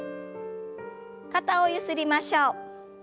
肩をゆすりましょう。